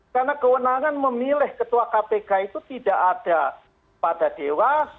karena kewenangan memilih ketua kpk itu tidak ada pada dewas